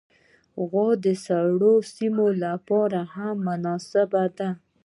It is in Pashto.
غوا د سړو سیمو لپاره هم مناسبه ده.